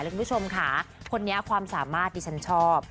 คุณผู้ชมค่ะคนนี้ความสามารถดิฉันชอบ